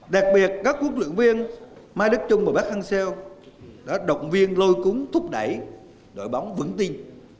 đặc biệt các huấn luyện viên mai đức trung và bác hang seo đã động viên lôi cúng thúc đẩy đội bóng vững tin